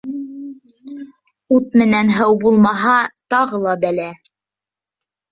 Ут менән һыу булмаһа, тағы ла бәлә.